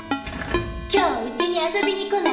今日家に遊びに来ない？